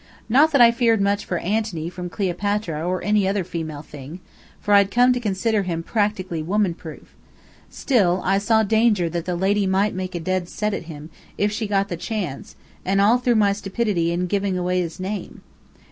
Not that I feared much for Anthony from Cleopatra or any other female thing, for I'd come to consider him practically woman proof; still, I saw danger that the lady might make a dead set at him, if she got the chance, and all through my stupidity in giving away his name.